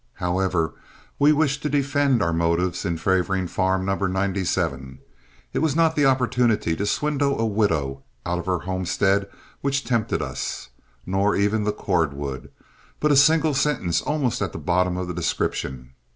However, we wish to defend our motives in favoring Farm No. 97. It was not the opportunity to swindle a widow out of her homestead which tempted us, nor even the cordwood, but a single sentence almost at the bottom of the description.